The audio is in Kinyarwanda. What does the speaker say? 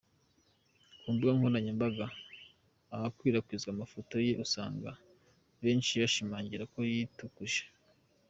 Ku mbuga nkoranyambaga ahakwirakwizwa amafoto ye, usanga benshi bashimangira ko yitukuje.